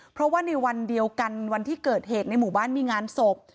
เพราะว่าในวันเดียวกันวันที่เกิดเหตุในหมู่บ้านมีงานศพ